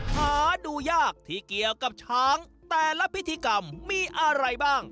หาดูยากที่เกี่ยวกับช้างแต่ละพิธีกรรมมีอะไรบ้าง